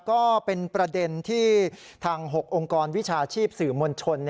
ก็เป็นประเด็นที่ทาง๖องค์กรวิชาชีพสื่อมวลชน